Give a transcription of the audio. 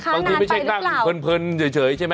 ไม่ใช่กล้ามเพลินเฉยใช่ไหม